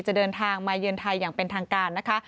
จะเดินทางมาเยือนไทยอย่างเป็นทางการนะคะ